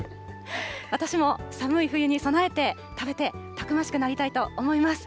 私も寒い冬に備えて、食べてたくましくなりたいと思います。